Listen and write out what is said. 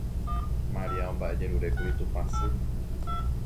Maria omba'ejerurékuri Tupãsýme.